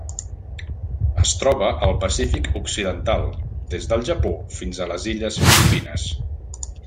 Es troba al Pacífic occidental: des del Japó fins a les illes Filipines.